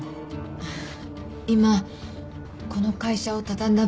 今この会社を畳んだ場合